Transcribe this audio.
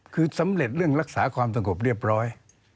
คือสำเร็จเรื่องรักษาความสงบเรียบร้อย